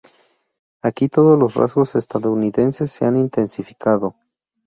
Aquí todos los rasgos estadounidenses se han intensificado.